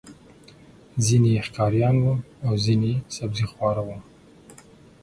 ځینې یې ښکاریان وو او ځینې یې سبزيخواره وو.